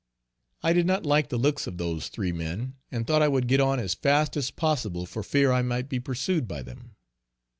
I did not like the looks of those three men, and thought I would get on as fast as possible for fear I might be pursued by them.